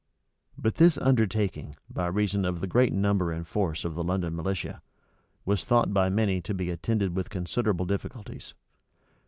But this undertaking, by reason of the great number and force of the London militia, was thought by many to be attended with considerable difficulties.